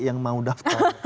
yang mau daftar